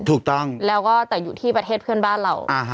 ถูกต้องแล้วก็แต่อยู่ที่ประเทศเพื่อนบ้านเรา